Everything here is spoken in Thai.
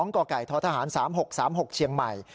๒กกทศ๓๖๓๖เชียงใหม่